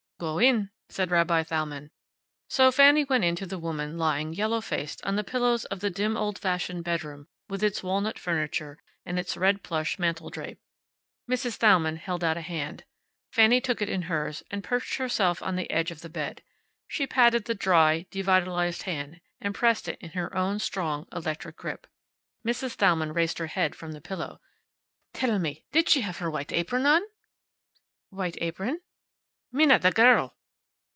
"Go in," said Rabbi Thalmann. So Fanny went in to the woman lying, yellow faced, on the pillows of the dim old fashioned bedroom with its walnut furniture, and its red plush mantel drape. Mrs. Thalmann held out a hand. Fanny took it in hers, and perched herself on the edge of the bed. She patted the dry, devitalized hand, and pressed it in her own strong, electric grip. Mrs. Thalmann raised her head from the pillow. "Tell me, did she have her white apron on?" "White apron?" "Minna, the girl."